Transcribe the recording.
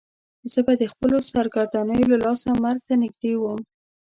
زه به د خپلو سرګردانیو له لاسه مرګ ته نږدې وم.